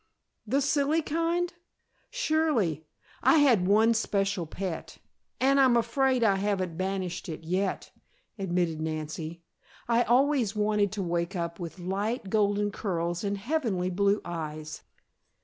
"The silly kind? Surely. I had one special pet and I'm afraid I haven't banished it yet," admitted Nancy. "I always wanted to wake up with light golden curls and heavenly blue eyes."